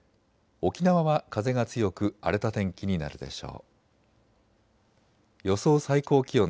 沖縄は風が強く荒れた天気になるでしょう。